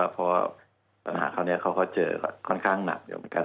เพราะว่าปัญหาคราวนี้เขาก็เจอค่อนข้างหนักอยู่เหมือนกัน